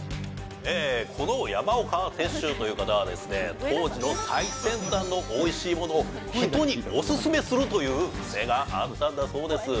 この山岡鉄舟という方はですね、当時の最先端のおいしいものを人にお勧めするという癖があったんだそうです。